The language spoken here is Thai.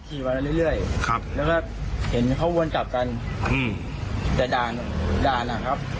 ขี่มาเรื่อยเรื่อยครับแล้วก็เห็นเขาวนกลับกันอืมแต่ด่านด่านนะครับ